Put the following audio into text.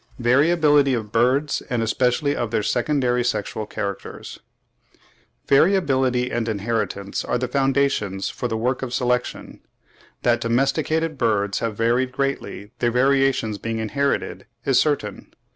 VARIABILITY OF BIRDS, AND ESPECIALLY OF THEIR SECONDARY SEXUAL CHARACTERS. Variability and inheritance are the foundations for the work of selection. That domesticated birds have varied greatly, their variations being inherited, is certain.